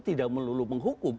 tidak melulu menghukum